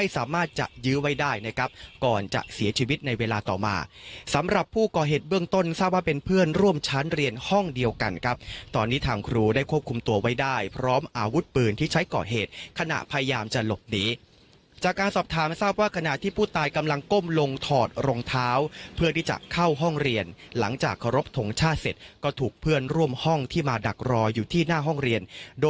สำหรับผู้ก่อเหตุเบื้องต้นทราบว่าเป็นเพื่อนร่วมชั้นเรียนห้องเดียวกันตอนนี้ทางครูได้ควบคุมตัวไว้ได้พร้อมอาวุธปืนที่ใช้ก่อเหตุขณะพยายามจะหลบหนีจากการสอบถามทราบว่าขณะที่ผู้ตายกำลังก้มลงถอดรองเท้าเพื่อที่จะเข้าห้องเรียนหลังจากขอรบตรงชาติเสร็จก็ถูกเพื่อนร่วมห้องที่มาดักรออย